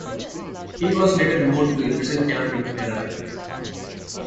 He was later moved to a prison camp in Canada.